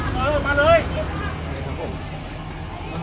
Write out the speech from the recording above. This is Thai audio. อย่าไปลงพักเลยมา